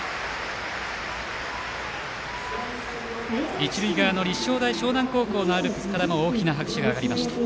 一塁側の立正大学淞南高校のアルプスからも大きな拍手が上がりました。